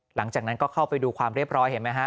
หลังจากนั้นก็เข้าไปดูความเรียบร้อยเห็นไหมฮะ